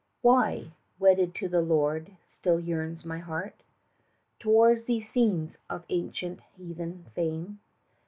Why, wedded to the Lord, still yearns my heart Towards these scenes of ancient heathen fame?